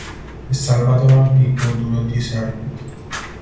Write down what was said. The Salvadoran people do not deserve it.